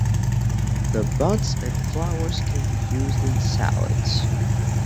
The buds and flowers can be used in salads.